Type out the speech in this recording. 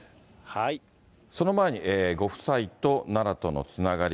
その前に、ご夫妻と奈良とのつながり。